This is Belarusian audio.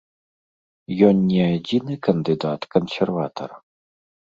Ён не адзіны кандыдат-кансерватар.